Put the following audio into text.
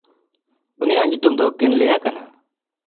ᱩᱱᱤᱭᱟᱜ ᱧᱩᱛᱩᱢ ᱫᱚ ᱠᱮᱱᱞᱮᱭᱟ ᱠᱟᱱᱟ᱾